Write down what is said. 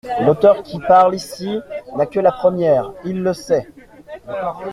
L’auteur qui parle ici n’a que la première, il le sait.